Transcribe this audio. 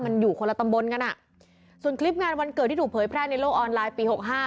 มันอยู่คนละตำบลกันอ่ะส่วนคลิปงานวันเกิดที่ถูกเผยแพร่ในโลกออนไลน์ปีหกห้า